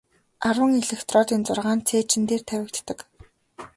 Арван электродын зургаа нь цээжин дээр тавигддаг.